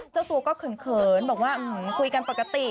เจ้าตัวก็เขินบอกว่าคุยกันปกติ